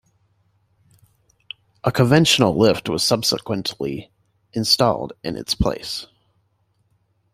A conventional lift was subsequently installed in its place.